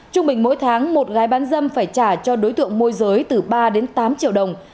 trung bình mỗi tháng một gái bán dâm phải trả cho đối tượng môi giới từ ba đến tám triệu đồng